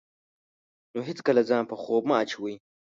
نو هېڅکله ځان په خوب مه اچوئ.